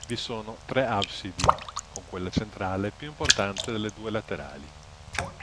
Vi sono tre absidi, con quella centrale più importante delle due laterali.